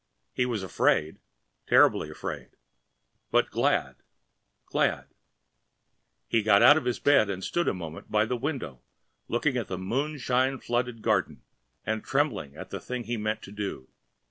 He was afraid, terribly afraid, but glad, glad. He got out of his bed and stood a moment by the window looking at the moonshine flooded garden and trembling at the thing he meant to do.